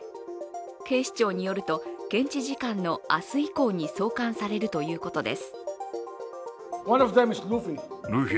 警視庁によると、現地時間の明日以降に送還されるということです。